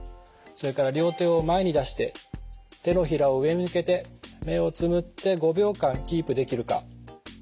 それから両手を前に出して手のひらを上に向けて目をつむって５秒間キープできるか。